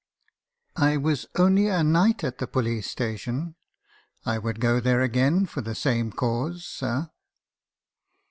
"' I was only a night at the police station. I would go there again for the same cause , sir.'